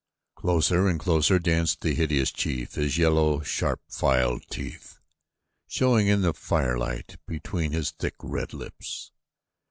Closer and closer danced the hideous chief, his yellow, sharp filed teeth showing in the firelight between his thick, red lips.